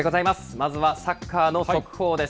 まずはサッカーの速報です。